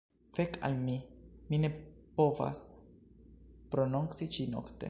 Fek al mi, mi ne povas prononci ĉi-nokte!